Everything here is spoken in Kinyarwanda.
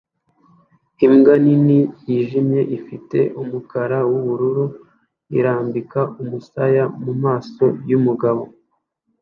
Imbwa nini yijimye ifite umukara wubururu irambika umusaya mumaso yumugabo